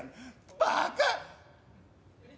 バカ。